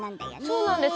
そうなんです。